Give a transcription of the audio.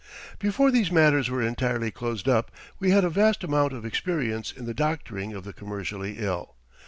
Before these matters were entirely closed up we had a vast amount of experience in the doctoring of the commercially ill.